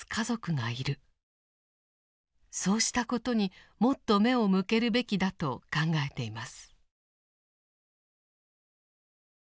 そうしたことにもっと目を向けるべきだと考えています。